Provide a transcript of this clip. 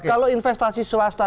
kalau investasi swasta